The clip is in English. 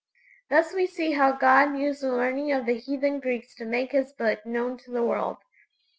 Thus we see how God used the learning of the heathen Greeks to make His Book known to the world!